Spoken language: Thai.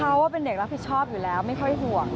เพราะว่าเป็นเด็กรับผิดชอบอยู่แล้วไม่ค่อยห่วง